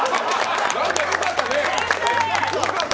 よかったね。